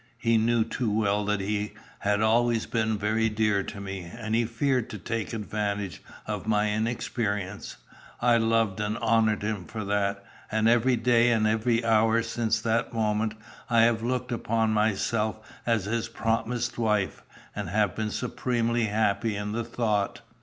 He knew too well that he had always been very dear to me, and he feared to take advantage of my inexperience. I loved and honoured him for that, and every day and every hour since that moment I have looked upon myself as his promised wife, and have been supremely happy in the thought.